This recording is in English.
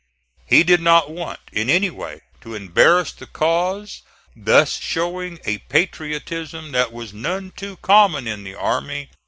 He did not want, in any way, to embarrass the cause; thus showing a patriotism that was none too common in the army.